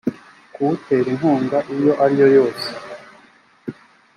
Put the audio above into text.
kuwutera inkunga iyo ariyo yose